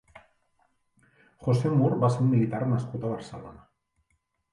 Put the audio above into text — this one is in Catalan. José Moore va ser un militar nascut a Barcelona.